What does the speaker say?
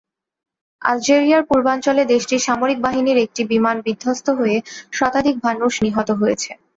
আলজেরিয়ার পূর্বাঞ্চলে দেশটির সামরিক বাহিনীর একটি বিমান বিধ্বস্ত হয়ে শতাধিক মানুষ নিহত হয়েছে।